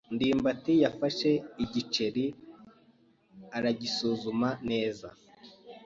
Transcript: ndimbati yafashe igiceri aragisuzuma neza.